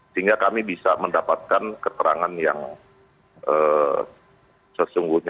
sehingga kami bisa mendapatkan keterangan yang sesungguhnya